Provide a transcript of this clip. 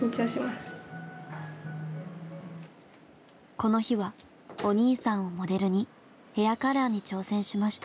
この日はお兄さんをモデルにヘアカラーに挑戦しました。